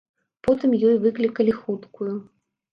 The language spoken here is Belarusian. Потым ёй выклікалі хуткую.